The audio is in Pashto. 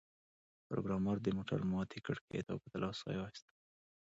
پروګرامر د موټر ماتې کړکۍ ته وکتل او ساه یې واخیسته